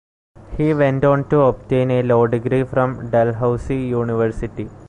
He went on to obtain a law degree from Dalhousie University.